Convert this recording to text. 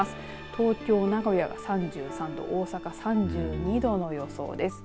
東京、名古屋が３３度大阪３２度の予想です。